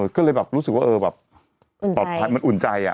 ก็เลยรู้สึกว่ามันอุ่นใจ